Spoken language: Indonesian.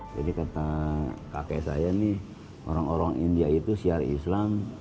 jadi kata kakek saya nih orang orang india itu siar islam